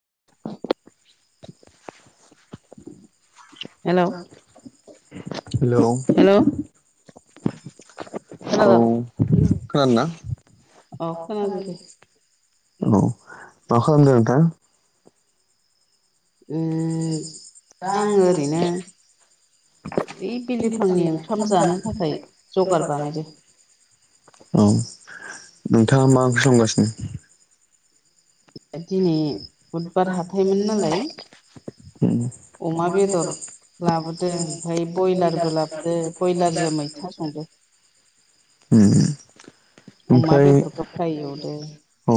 [inaudible] हेल hello औ हेल औ खादोंना। औ खोनादों दे मा खालामदों नोंथा। उम आङो ओरैनो ग ओइ बिलिफांनि ओंखाम [unintelligible] जानो थाखाय जगार बानायदों [unintelligible] औ नोंथाङा मा ओंख्रि संगासिनो। दिनै बुधबार हाथायमोन नालाय [unintelligible] अमा बेदर लाबोदो ओमफ्राय बयलारबो लाबोदो बयलारजों मैथा [unintelligible] संदो उम अमा ओमफ्राय बेदरखौ फ्राय एवदों। औ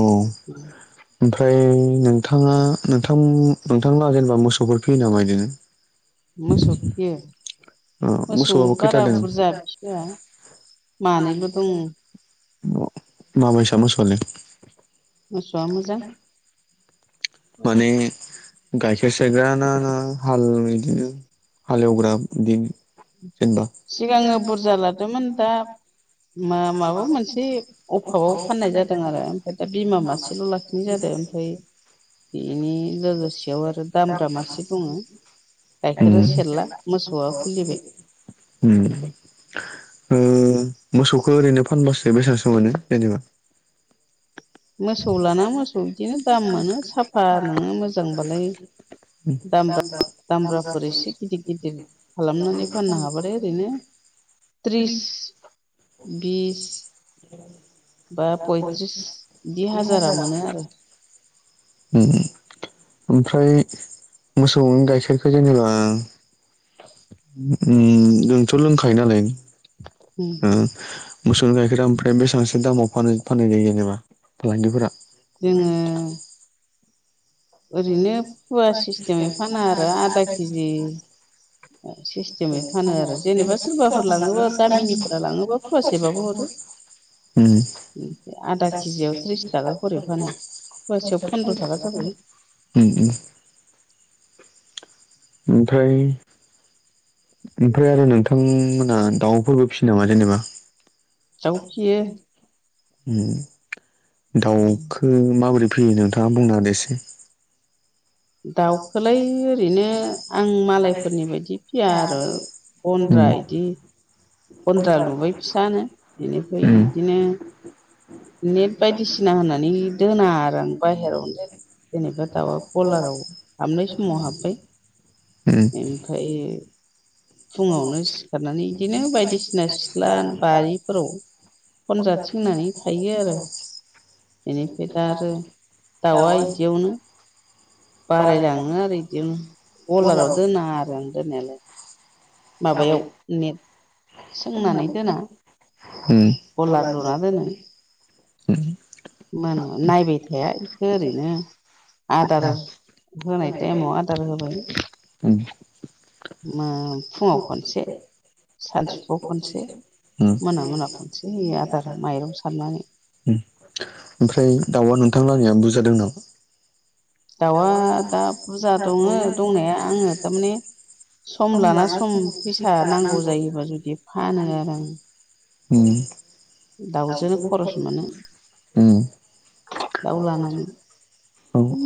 ओमफ्राय नोंथाङा नोंथां नोंथांला जेनेबा मोसौफोर फियो नामा बिदिनो। मोसौ फियो। अ मोसौ मोसौआबो खैथा बारा दों बुरजा फिया मानैल दङ। माबैसा मोसौआलाय। मोसौआ मोजां। माने गायखेर सेरग्रााना ना हाल बिदिनो हालेवग्रा दिन। सिगाङो बुरजा लादोंमोन दा। मा माबा मोनसे अभाबाव फाननाय जादों आरो ओमफ्राय दा बिमा मासेल लाखिनाय जादों ओमफ्राय। बेनि लोगोसेयाव आरो दामफ्रा मासे दङ। गाइखेर सेरला मोसौआ उम फैलिबाय उम ओम मोसौखौ ओरैनो फानबासो बेसेबांसो मोनो जेनेबा मोसौ लाना मोसौ बिदिनो दामआानो साब द दामब्रा [unintelligible] दामब्राफोर एसे दाम गिदिर गिदिर खालामनानै दाम [unintelligible] थिस बिस औ बा पयथ्रिस बि हाजारा मोनो आरो। ओम ओमफ्राय मोसौ गाइखेरखौ जेनेबा। ओम जोंथ लोंखायो नालाय ओम। मोसौ गाइखेरा ओमफ्राय बेसेबांसो दामाव फानो फाननाय जायो जेनेबा फालांगिफोरा। जोङो ओरैनो फुवा सिस्टेमै फाना आरो आदा केजि। सिस्टेमै फानो आरो जेनेबा सोरबाफोर लाङोबा गामिनिफोरा लाङोबा। मखासेख [unintelligible] फवासेबाबो ओम [unintelligible] हरो ओमफ्राय आदा केजियाव त्रिस थाखा खरि फानो फवासेयाव फन्द्र' थाखा जाबाय [unintelligible] ओम ओम ओमफ्राय ओमफ्राय आरो नोंथांमोना दाउफोरबो फियो नामा जेनेबा दाउ फियो ओम दाउखौ माबोरै फ्रि नोंथाङा बुंना होदोसै दाउखौलाय ओरैनो आं मालायफोरनि बायदि फिया आरो गन्द्रा उम बिदि गन्द्रा लुबाय फिसानो बेनिफ्राय उम बिदिनो नेट बायदिसिना होननानै दोना आरो आं बाहेरावनो दोनो जेनेबा दाउआ कलाराव हाबनाय समाव हाबबाय उम ओमफ्राय फुङावनो सिखारनानै बिदिनो बायदिसिना सिथ्ला बारिफोराव खनजा थिंनानै थायो आरो बेनिफ्राय दा आरो दाउआ बिदियावनो बारायलाङो आरो बिदिनो अलाराव दोना आरो आं दोननायालाय माबायाव नेट [unintelligible] ओम अलार लुना दोनो उम मा होनो नायबाय थाया [unintelligible] ओरैनो आदार होनाय टाइमाव आदार होबाय ओम फुङाव खनसे सानसुआव खनसे उम मोना मोना खनसे होयो आदार माइरं सारनानै ओमफ्राय दाउआ नोंथां लाहानियाव बुरजा दङो नामा दाउआ दा बुरजा दङ दंनाया आङो थारमाने सम लाना सम फैसा नांगौ जायोबा जुदि फानो आरो आं ओम दाउजोंनो खरस [unintelligible] दाव लानानै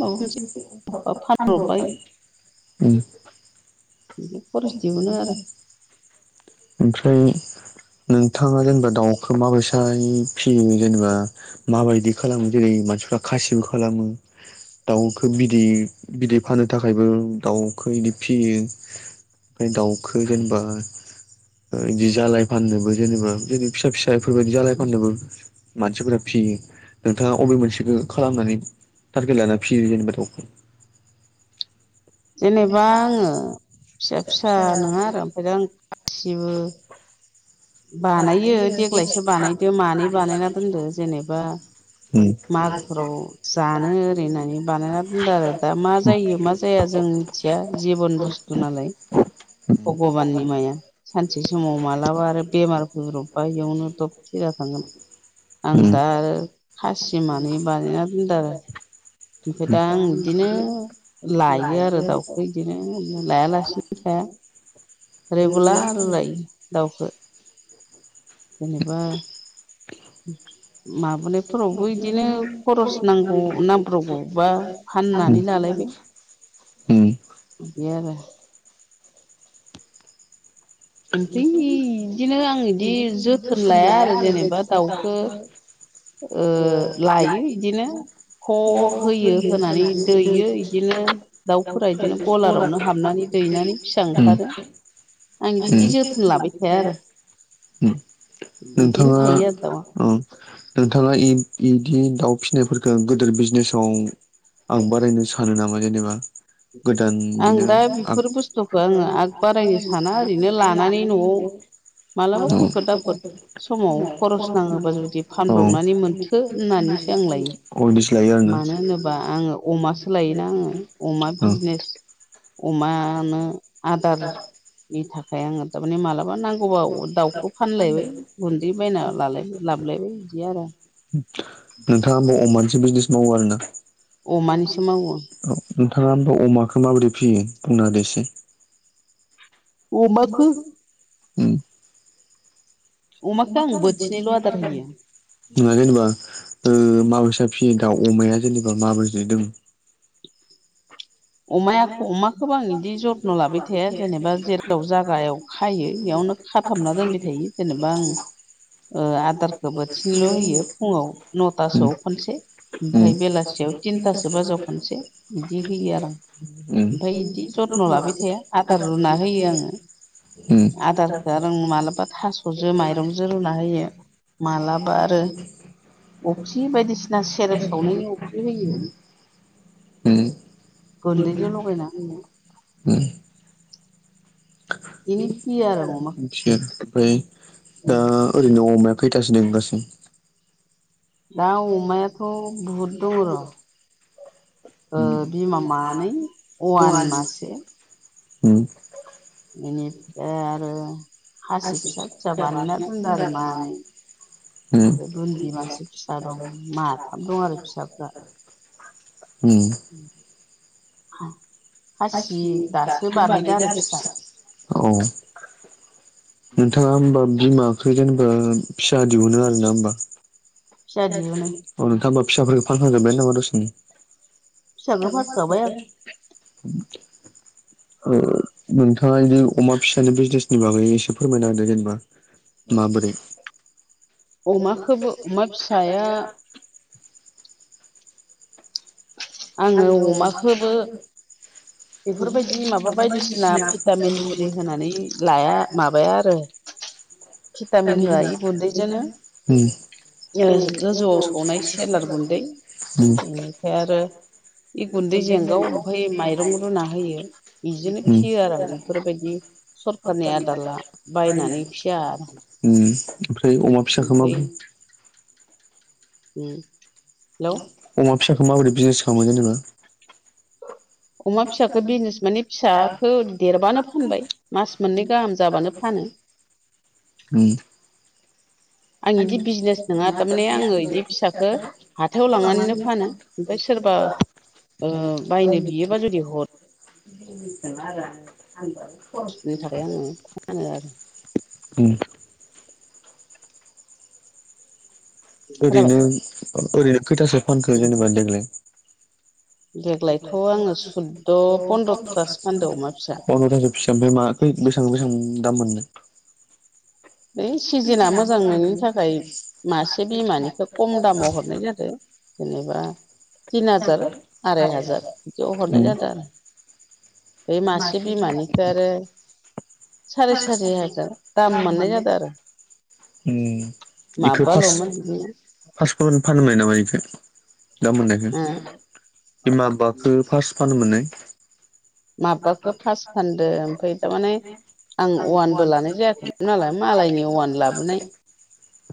माबा मोनसे फानब्रबबाय [unintelligible] [unintelligible] आरो [unintelligible] ओमफ्राय नोंथाङा जेनेबा दाउखौ माबैसानि फिसियो जेनेबा माबायदि खालामो जेरै मानसिफ्रा खासिबो खालामो दाउखौ बिदै बिदै फानो थाखायबो दाउखौ इदि फिसियो ओमफ्राय दाउखौ जेनेबा बिदि जालाय फाननोबो जेनेबा फिसा फिसा बेफोरबायदि जालाय फाननोबो मानसिफोरा फियो नोंथाङा अबे मोनसेखौ खालामनानै थारगेट लाना फियो जेनेबा दावखौ जेनेबा आङो फिसा फिसा नङा आरो ओमफ्राय आं खासिबो बानायो देग्लायसो बानायदो मानै बानायना दोनदो जेनेबा उम मागोफोराव जानो ओरै होननानै बानायना दोनदों आरो दा मा जायो मा जाया जों मोनथिया जिबन बुस्थु नालाय भगबाननि माया सानसे समाव मालाबा आरो बेमार फैब्रबबा इयावनो दब थैना थांगोन आं उम दा आरो खासि मानै बानायना दोनदों आरो ओमफ्राय दा आं बिदिनो लायो आरो दाउखौ बिदिनो लायालासिनो थाया रेगुलार लायो दाउखौ जेनेबा माबानायफोरावबो बिदिनो खरस नांगौ नांब्रबगौबा फाननानै लालायबाय ओम बिदि आरो ओमफ्राय बिदिनो आं बिदि जोथोन लाया आरो जेनेबा दाउखौ ओ लायो बिदिनो ख होयो होनानै दैयो बिदिनो दाउफोरा बिदिनो गलारावनो हाबनानै दैनानै फिसा ओंखारो आं इदि जोथोन लाबाय थाया आरो इदिनो नोंथाङा थायो आरो दाउआ अ नोंथाङा बिदि दाउ फिसिनायफोरखौ गदिर बिजनेसाव आं बारायनो सानो नामा जेनेबा गोदान आं बिदिनो दा नो बेफोर बुस्थुखौ आङो आग बारायनो साना ओरैनो लानानै न'आव न' आव औ ओ मालाबा खैफोद आफोद समाव खरस नाङोबा जुदि फानब्रबनानै मोनथो होननानैसो आं लायो अदि सोलइनो मानो होनोबा आङो अमासो लायोना आङो अमा बिजनेस अमानो आदार नि थाखाय आङो थारमाने मालाबा नांगौबा दाउखौ फानलायबाय गुन्दै बायना लालाय लाबोलायबाय बिदि आरो नोंथाङा हब अमानिसे बिजनेस मावो आरो ना अमानिसो मावो नोंथाङाोमा अमाखौ माबोरै फियो बुंना हो दोसै अमाखौ उम अमाखौ आं बोथिनैल' आदार होयो ना जनेबा ओ माबैसे फियो दाउ अमाया जेनेबा माबैसे दों अमाया अमाखौबो आं बिदि जथ्न' लाबाय थाया जेनेबा जेराव जागायाव खायो बेयावनो खाथाबना दोनबाय थायो जेनेबा आं ओ आदारखौ बोथिनल' होयो फुङाव उम नथासोआव खनसे उम ओमफफ्राय बेलासियाव थिनथासो बाजाव खनसे बिदि होयो आरो आं ओमफफ्राय बिदि जथ्न' लाबाय थाया आदार रुना होयो आङो उम आदारखौ रों मालाबा थास'जों माइरंजों रुना होयो मालाबा आरो [inaudible] अफ्रि बायदिसिना सेरप सावनायनि अफ्रि होयो उम गुन्दैजों लगायना होयो बिदिनो मिथि फियो आरो अमाखौ ओमफ्राय दा ओरैनो द अमाया फैथासिनो दंगासै दा अमायाथ' बहुद दं र' उम बिमा मानै अवान माससे उम इनिफ आरो [unintelligible] खासि फिसा फिसा फिसा‌ बानायना बानायना‌ दोनदों आरो मानै ओमफ्राय बुन्दि मासे फिसा दं आरो माथाम दं आरो फिसाफ्रा मानै उम [unintelligible] उम खासि दासो बानायदो आरो फिसा औ नोंथाङा होमबा बिमा खै जेनेबा फिसा दिहुनो आरो ना होमबा फिसा अ दिहुनो नोंथाङा होमबा फिसाफोरखौ फानफां जोबबाय नामा दसेनो फिसाखौ फानखांबाय आं अ मोन नोंथाङा एसे अमा फिसानि बिजनेसनि बागै एसे फोरमायना होदो जेनेबा माबोरै अमाखौबो अमा फिसाया आङो अमाखौबो बेफोरबायदि माबा बायदिसिना भिटामिन गुलि होनानै लाया माबाया आरो फितमिन होआयो गुनदैजोंनो उम ओ गोजौआव सौनाय सेेलार गुन्दै उम बेनिफ्राय आरो बे गुन्दै जेंगाव ओमफफ्राय माइरं रुना होयो बिजोंनो उम फियो आरो आं बेफोरबायदि सरखारनि आदारला बायनानै फिया आरो उम ओमफ्राय अमा फिसाखौ मा ओमफ्राय ओम अमा फिसाखौ माबोरदि बिजनेस खालामो जेनेबा? औ अमा फिसाखौ बिजनेस मानानि फिसाखौ देरबानो फानबाय मास मोननै गाहाम जाबानो फानो [inaudible] ओम आं बिदि बिजनेस नङा थारमाने आङो बिदि फिसखो हाथायाव लांनानैनो फानो। ओमफ्राय सोरबा ओ बायनो बियोबा जुदि हर [unintelligible] थाखाय आङो फानो आरो ओम खोनाबाय ओरैनो ओरैनो खैथासो फानखो उम जेनेबा देग्लाय? देग्लायथ' देग्लाय थ' आङो सुद्द' सैद्र पन्द्र'थासो पनद्रतासो फानदों अमा फिसा खोमा । फिसा ओमफ्राय माखै बेसां बेसेबां दाम मोननो? है सिजोनना मोजां निनि थाखाय मासे बिमानिखौ खम दामाव हरनाय जादों जेनेबा [inaudible] तिन हाजार आराय हाजार बिदियाव हरनाय उम जादों आरो बे मासे बिमानिखौ आरो साराय सारि हाजार दाम मोननाय जादों। आरो ओम बेखौ फार्स्ट माबाल'मोन बिदिनो फासर्फोर फानबाय नामा बेखौ? दा मोननायखौ ओ बिमा बाबाखौ फार्स्ट फानो मोननाय माबाखौ फास फानदों ओमफ्राय थारमाने आं अवानबो लानाय जायाखैमोन नालाय मालायनि अवान लाबोनाय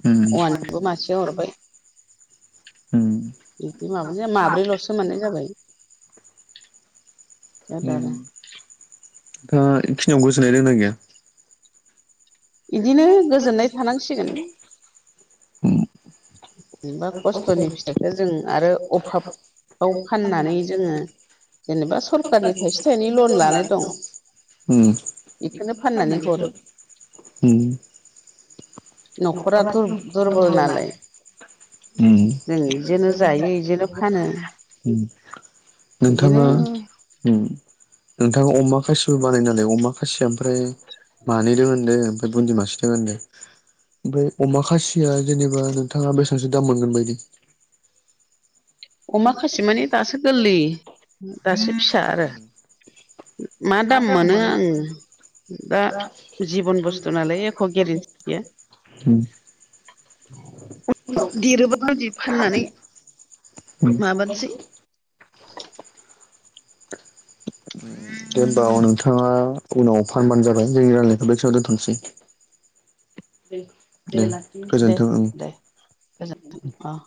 उम औवानिबो मासे हरबाय ओम बिदि माबानो माब्रैल'सो मोननाय जाबाय आदा आदा ओ बेखिनियाव गोजोननाय दंना गैया? बिदिनो गोजोननाय थानांसिगोन। ओम जेनेबा खस्थ'नि बहुत फिथाइखौ जों आरो खस्थ'यै अभाबाव [unintelligible] खौ फाननानै जों जेनेबा जेनबा सरखारनि थाइसे थाइनै सरकारनिफ्रायबो लन लानाय दं। ओम बेखौनो फाननानै हरो उम न'खरा दुर दुरबल नालाय उम जों इजोंनो जायो इजोंनो फानो। उम बिदिनो ओम नोंथाङा अमा खासिबो बानायो नालाय अमा खासिया ओमफ्राय मानैजों मोनदों ओमफ्राय बुन्दि मासे दङ होनदों। ओमफ्राय अमा खासिया जेनेबा नोंथाङा बेसेबांसो दाम मोनगोन बायदि? अमा खासि माने दासो गोरलै दासो फिसा आरो। मा दाम मोनो आङो दा जिबन बुस्थु नालाय एख' गेरेन्थि गैया। उम देरोबादि फाननानै ओम माबानोसै [inaudible] दे हबा नोंथाङा उनाव फानबानो जाबाय जोंनि रायलायखौ बेखिनियाव दोन्थ'नोसै। दे गोजोनथों ओं दे गोजोन अ